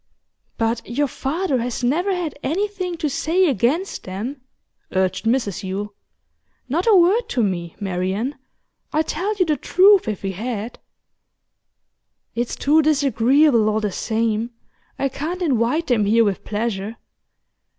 'But your father has never had anything to say against them,' urged Mrs Yule. 'Not a word to me, Marian. I'd tell you the truth if he had.' 'It's too disagreeable, all the same. I can't invite them here with pleasure.